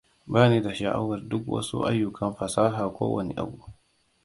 Bani da sha'awar duk wasu ayyukan fasaha ko wani abu.